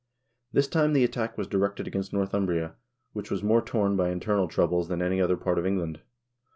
This time the attack was directed against Northumbria, which was more torn by internal troubles than any other part of England.